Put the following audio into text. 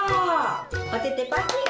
おててパチン！